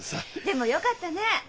でもよかったね。